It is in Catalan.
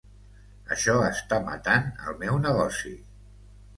Això està matant el meu negoci.